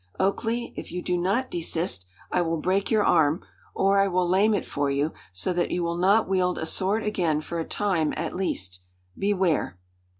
"Oakleigh! if you do not desist, I will break your arm; or I will lame it for you so that you will not wield a sword again for a time at least. Beware!"